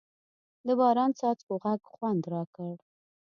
د باران څاڅکو غږ خوند راکړ.